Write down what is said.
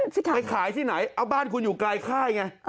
ไปขายที่ไหนเอาบ้านคุณอยู่ไกลค่ายไง